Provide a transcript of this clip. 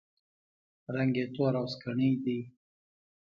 رنګ یې تور او سکڼۍ دی.